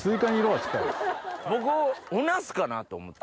僕おナスかなと思った。